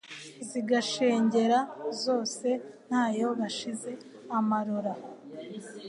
Zigashengera zose, Nta yo bashize amarora;